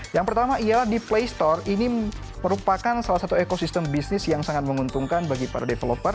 yang pertama ialah di play store ini merupakan salah satu ekosistem bisnis yang sangat menguntungkan bagi para developer